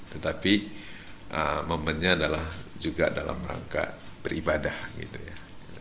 tetapi momennya adalah juga dalam rangka beribadah gitu ya